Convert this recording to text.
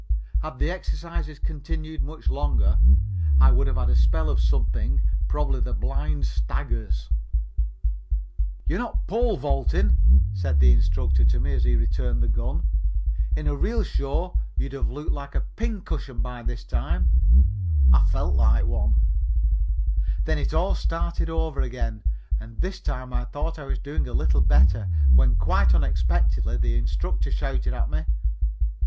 Had the exercises continued much longer I would have had a spell of something, probably the blind staggers. [Illustration: "I STOOD SIDE WAYS, THUS DECREASING THE POSSIBLE AREA OF DANGER"] "You're not pole vaulting," said the instructor to me, as he returned the gun. "In a real show you'd have looked like a pin cushion by this time." I felt like one. Then it all started over again and this time I thought I was doing a little better, when quite unexpectedly the instructor shouted at me.